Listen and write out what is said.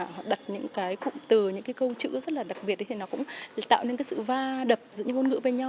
họ đặt những cái cụm từ những cái câu chữ rất là đặc biệt thì nó cũng tạo nên cái sự va đập giữa những ngôn ngữ với nhau